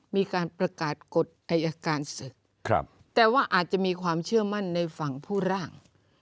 มีการประกาศกฎอายการศึกแต่ว่าอาจจะมีความเชื่อมั่นในฝั่งผู้ร่าง